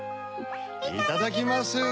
いただきますポ。